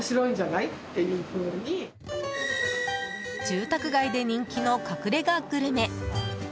住宅街で人気の隠れ家グルメ。